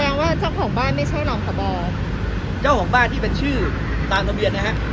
ว่าเจ้าของบ้านไม่ใช่รองพบเจ้าของบ้านที่เป็นชื่อตามทะเบียนนะฮะ